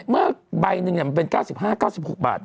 เมื่อใบหนึ่งมันเป็น๙๕๙๖บาท